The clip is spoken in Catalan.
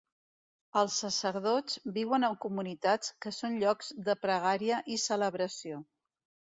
Els sacerdots viuen en comunitats que són llocs de pregària i celebració.